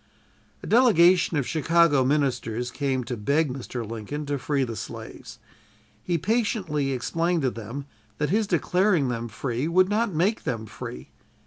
A delegation of Chicago ministers came to beg Mr. Lincoln to free the slaves. He patiently explained to them that his declaring them free would not make them free.